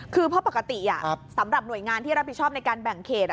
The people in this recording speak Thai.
คือเพราะปกติสำหรับหน่วยงานที่รับผิดชอบในการแบ่งเขต